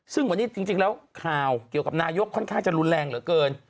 ซึ่งวันนี้จริงแล้วข่าวเกี่ยวกับนายกค่อนข้างจะรุนแรงเหลือเกิน